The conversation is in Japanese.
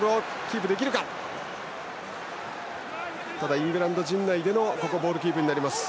イングランド陣内でのボールキープになります。